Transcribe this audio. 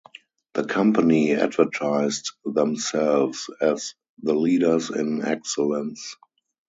The company advertised themselves as "the leaders in excellence."